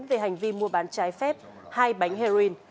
về hành vi mua bán trái phép hai bánh heroin